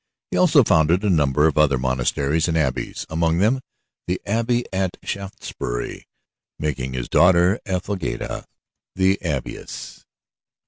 He also founded a number of other monasteries and abbeys, among them the abbey of Shaftesbury, making his daughter, Ethelgeda, the abbess.